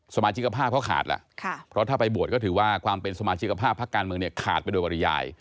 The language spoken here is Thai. สมาชิกภาพเขาขาดแล้วเพราะถ้าไปบวชก็ถือว่าความเป็นสมาชิกภาพพักการเมืองเนี่ยขาดไปโดยบริยาย